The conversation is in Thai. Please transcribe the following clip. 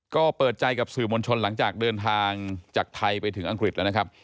ก็เปิดใจกับสื่อมวลชนหลังจากเดินทางจากไทยไปถึงอังกฤษแล้วนะครับ